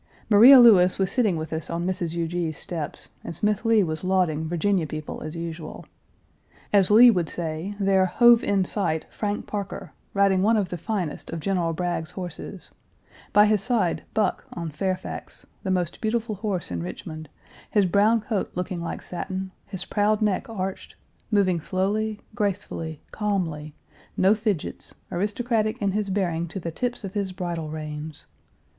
Maria Lewis was sitting with us on Mrs. Huger's steps, and Smith Lee was lauding Virginia people as usual. As Lee would say, there "hove in sight" Frank Parker, riding one of the finest of General Bragg's horses; by his side Buck on Fairfax, the most beautiful horse in Richmond, his brown coat looking like satin, his proud neck arched, moving slowly, gracefully, calmly, no fidgets, aristocratic in his bearing to the tips of his bridle reins.